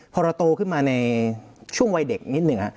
พอเราโตขึ้นมาในช่วงวัยเด็กนิดหนึ่ง